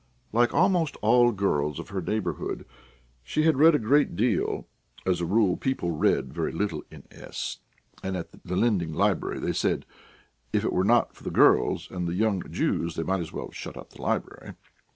Like almost all girls of her neighbourhood, she had read a great deal (as a rule, people read very little in S , and at the lending library they said if it were not for the girls and the young Jews, they might as well shut up the library).